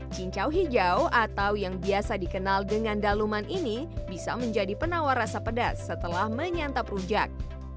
cincau hijau atau yang biasa dikenal dengan daluman ini bisa menjadi penawar rasa pedas setelah menyantap rujak